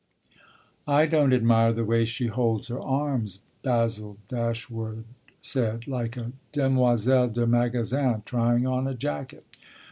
"I don't admire the way she holds her arms," Basil Dash wood said: "like a demoiselle de magasin trying on a jacket."